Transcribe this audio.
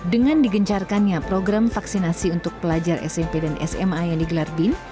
dengan digencarkannya program vaksinasi untuk pelajar smp dan sma yang digelar bin